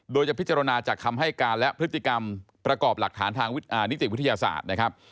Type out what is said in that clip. โดยจะพิจารณาจากคำให้การและพฤติกรรมประกอบหลักฐานทางนิติวิทยาศาสตร์นะครับ